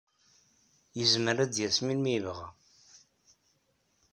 Yezmer ad d-yas melmi ay yebɣa.